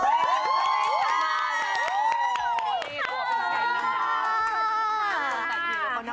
สวัสดีค่ะ